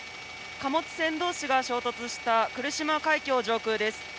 貨物船どうしが衝突した来島海峡上空です。